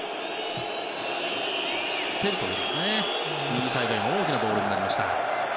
右サイドに大きなボールになりました。